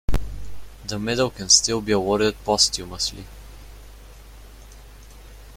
The medal can still be awarded posthumously.